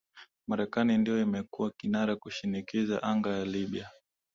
marekani ndio imekuwa kinara kushinikiza anga ya libya